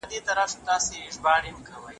که انصاف وي نو حق نه خوړل کیږي.